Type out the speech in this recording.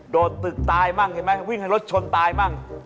โดดตึกตายบ้างเห็นไหมวิ่งรถชนตายบ้าง